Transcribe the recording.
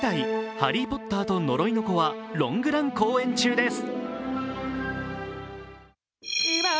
「ハリー・ポッターと呪いの子」はロングラン公演中です。